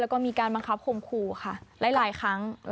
แล้วก็มีการบังคับข่มขู่ค่ะหลายครั้ง